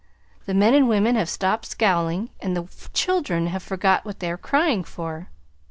The men and women have stopped scowling, and the children have forgot what they're cryin' for.